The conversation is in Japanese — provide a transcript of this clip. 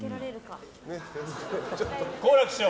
好楽師匠！